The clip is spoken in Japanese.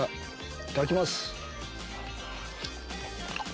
いただきます。